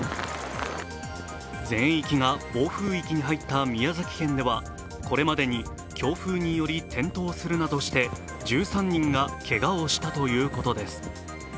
全域が暴風域に入った宮崎県ではこれまでに強風により転倒するなどして１３人がけがをしたということです。